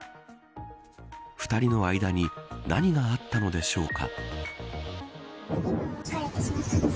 ２人の間に何があったのでしょうか。